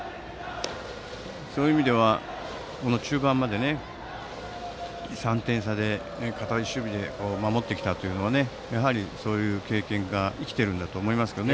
そういう意味では中盤まで３点差で堅い守備で守ってきたというのはやはりそういう経験が生きていると思います。